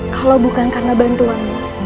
kalau bukan karena bantuamu